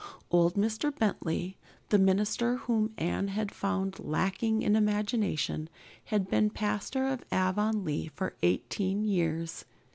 Old Mr. Bentley, the minister whom Anne had found lacking in imagination, had been pastor of Avonlea for eighteen years.